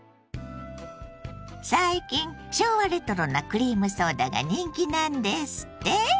最近昭和レトロなクリームソーダが人気なんですって？